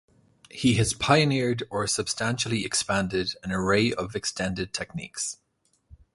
He has pioneered or substantially expanded an array of extended techniques.